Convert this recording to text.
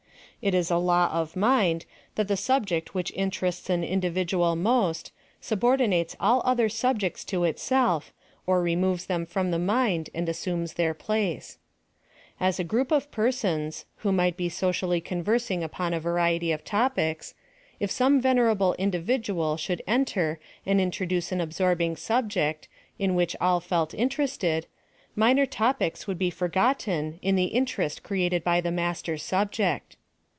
It is a law of mind, that the subje'it which interests an individual most, subordinates all other sobjects to itself, or removes them from the mind and assumes their place. As a group of persons, who might be socially conversing upon a variety of topics, if some venerable individual should enter and introduce an absorbing subject, in which all felt interested, minoi topics would be forgotten in the interest created ])y the master subject.